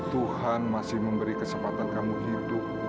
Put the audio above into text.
tuhan masih memberi kesempatan kamu hidup